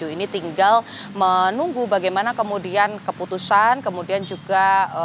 ini tinggal menunggu bagaimana kemudian keputusan kemudian juga